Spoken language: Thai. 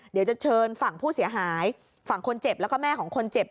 เดี๋ยวจะเชิญฝั่งผู้เสียหายฝั่งคนเจ็บแล้วก็แม่ของคนเจ็บ